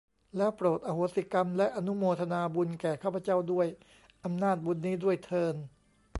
แล้วโปรดอโหสิกรรม และอนุโมทนาบุญแก่ข้าพเจ้า ด้วยอำนาจบุญนี้ด้วยเทอญ